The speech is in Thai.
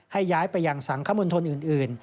ให้ย้ายไปยังสังคมณฑลอื่น